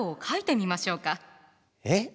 えっ？